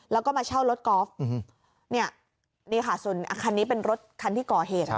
แล้วก็มาเช่ารถก๊อฟนี่ค่ะคันนี้เป็นรถที่ก่อเหตุนะคะ